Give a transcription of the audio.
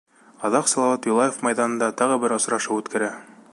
Аҙаҡ Салауат Юлаев майҙанында тағы бер осрашыу үткәрә.